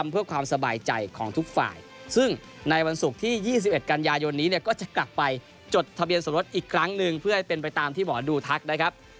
เพื่อให้เป็นไปตามที่หมอดูทักนะครับ